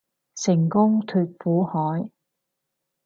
成功脫苦海